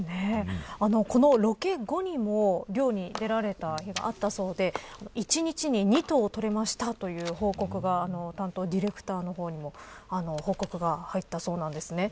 このロケ後にも猟に出られた日があったそうで一日に２頭、取れましたという報告が担当ディレクターの方に報告が入ったそうなんですね。